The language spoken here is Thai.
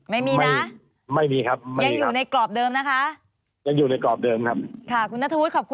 มีฝากเพิ่มเติมไหม